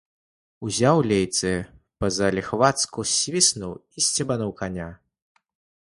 Узяў лейцы, па-заліхвацку свіснуў і сцебануў каня.